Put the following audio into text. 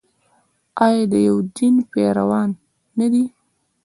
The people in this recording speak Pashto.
آیا د یو دین پیروان نه دي؟